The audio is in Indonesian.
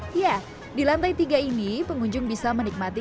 hai ya di lantai tiga ini pengunjung bisa menikmati